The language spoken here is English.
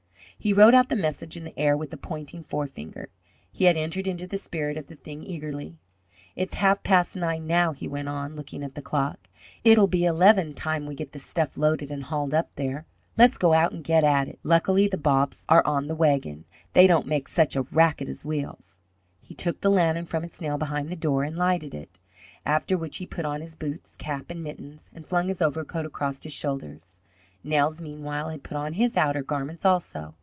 '" He wrote out the message in the air with a pointing forefinger. He had entered into the spirit of the thing eagerly. "It's half past nine now," he went on, looking at the clock. "It'll be eleven time we get the stuff loaded and hauled up there. Let's go out and get at it. Lucky the bobs are on the wagon; they don't make such a racket as wheels." He took the lantern from its nail behind the door and lighted it, after which he put on his boots, cap, and mittens, and flung his overcoat across his shoulders. Nels, meanwhile, had put on his outer garments, also.